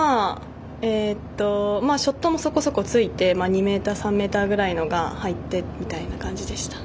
ショットもそこそこついて２ｍ、３ｍぐらいのが入ってみたいな感じでした。